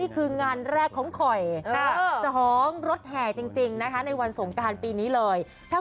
คุณผู้ชมขอบคุณผู้ชมขอบคุณผู้ชมขอบ